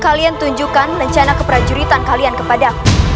kalian tunjukkan rencana keprajuritan kalian kepada